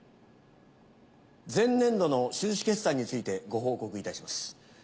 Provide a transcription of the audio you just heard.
前年度の収支決算についてご報告いたします。